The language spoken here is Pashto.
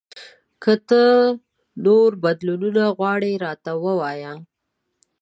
که ته نور بدلونونه غواړې، راته ووایه !